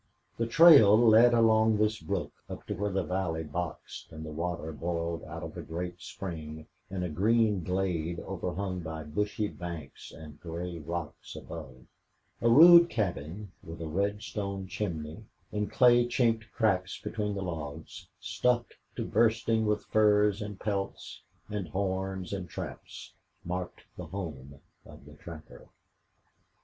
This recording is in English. The trail led along this brook up to where the valley boxed and the water boiled out of a great spring in a green glade overhung by bushy banks and gray rocks above. A rude cabin with a red stone chimney and clay chinked cracks between the logs, stuffed to bursting with furs and pelts and horns and traps, marked the home of the trapper.